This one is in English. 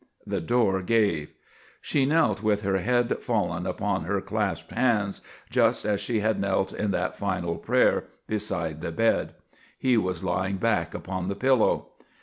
The door gave. She knelt with her head fallen upon her clasped hands, just as she had knelt in that final prayer, beside the bed. He was lying back upon the pillow.